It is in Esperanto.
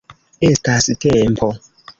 Estas tempo!